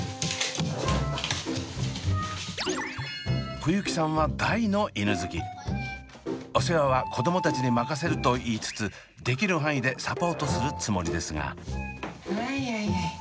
二誘輝さんはお世話は子どもたちに任せるといいつつできる範囲でサポートするつもりですが。